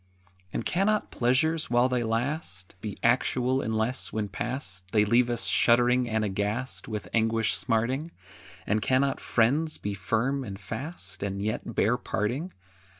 ] And cannot pleasures, while they last, Be actual unless, when past, They leave us shuddering and aghast, With anguish smarting? And cannot friends be firm and fast, And yet bear parting?